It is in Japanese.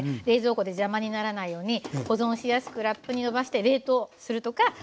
冷蔵庫で邪魔にならないように保存しやすくラップにのばして冷凍するとか。